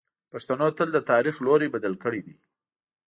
پښتنو تل د تاریخ لوری بدل کړی دی.